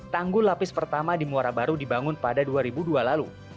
tanggul lapis pertama di muara baru dibangun pada dua ribu dua lalu